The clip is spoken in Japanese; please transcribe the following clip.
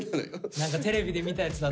何かテレビで見たやつだと思って。